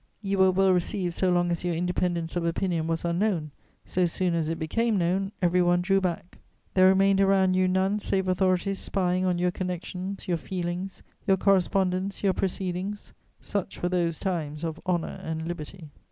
You were well received so long as your independence of opinion was unknown; so soon as it became known, every one drew back; there remained around you none save authorities spying on your connections, your feelings, your correspondence, your proceedings: such were those times of honour and liberty.